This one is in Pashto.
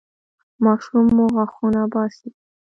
ماشوم مو غاښونه وباسي؟